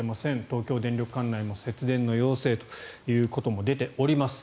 東京電力管内も節電の要請ということも出ております。